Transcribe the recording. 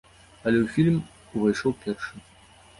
Але ў фільм увайшоў першы.